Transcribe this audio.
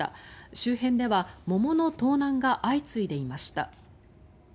周辺では桃の盗難が相次いでいました。